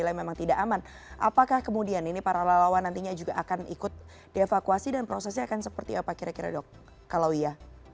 karena lokasi yang dinilai memang tidak aman apakah kemudian ini para lawan lawan nantinya juga akan ikut dievakuasi dan prosesnya akan seperti apa kira kira dok kalau iya